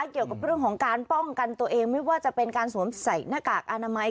เกี่ยวกับเรื่องของการป้องกันตัวเองไม่ว่าจะเป็นการสวมใส่หน้ากากอนามัย